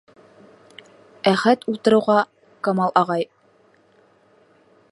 Әхәт ултырыуға, Камал ағай: